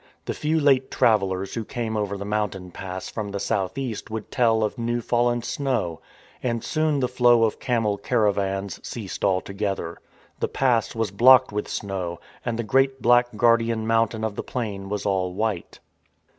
The few late travellers who came over the mountain pass from the south east would tell of new fallen snow; and soon the flow of camel caravans ceased altogether. The pass was blocked with snow, and the great black guardian mountain of the plain was all white.